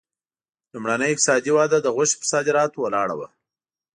لومړنۍ اقتصادي وده د غوښې پر صادراتو ولاړه وه.